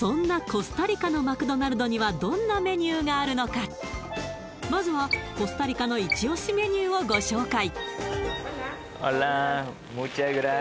コスタリカのマクドナルドにはどんなメニューがあるのかまずはコスタリカのイチ押しメニューをご紹介